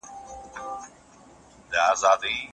زه به پر تندي لیکلي دار پر سر زنګېږمه